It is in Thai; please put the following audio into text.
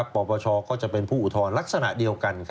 ปปชก็จะเป็นผู้อุทธรณ์ลักษณะเดียวกัน